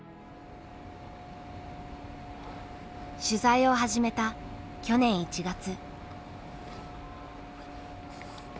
取材を始めた去年１月。